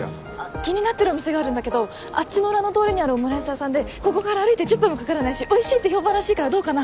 気になってるお店があるんだけどあっちの裏の通りにあるオムライス屋さんでここから歩いて１０分もかからないしおいしいって評判らしいからどうかな？